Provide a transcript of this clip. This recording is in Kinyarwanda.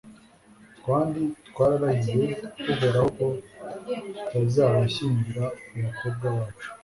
kandi twararahiye uhoraho ko tutazabashyingira abakobwa bacu